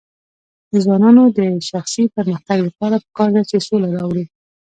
د ځوانانو د شخصي پرمختګ لپاره پکار ده چې سوله راوړي.